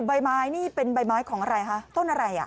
ใบไม้นี่เป็นใบไม้ของอะไรคะต้นอะไรอ่ะ